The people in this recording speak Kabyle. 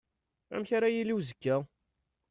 Amek ara yili uzekka?